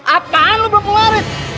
apaan lu belum pelaris